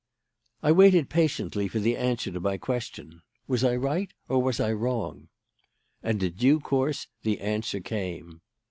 "I waited patiently for the answer to my question. Was I right or was I wrong? "And in due course, the answer came.